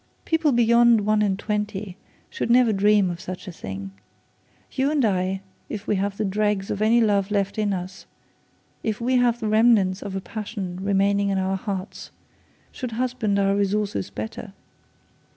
People beyond one and twenty should never dream of such a thing. You and I, if we have the dregs of any love left in us, if we have the remnants of a passion remaining in our hearts, should husband our resources better.